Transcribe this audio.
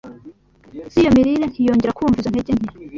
z’iyo mirire, ntiyongera kumva izo ntege nke,